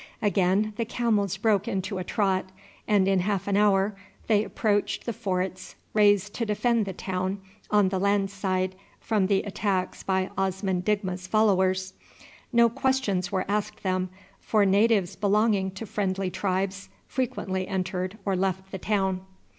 Again the camels broke into a trot, and in half an hour they approached the forts raised to defend the town on the land side from the attacks by Osman Digma's followers. No questions were asked them, for natives belonging to friendly tribes frequently entered or left the town.